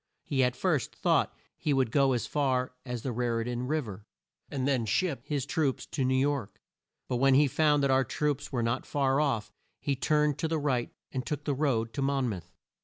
He at first thought he would go as far as the Rar i tan Riv er, and then ship his troops to New York; but when he found that our troops were not far off, he turned to the right and took the road to Mon mouth.